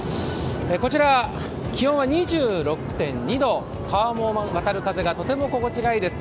こちら、気温は２６．２度、川面をわたる風がとても心地がいいです。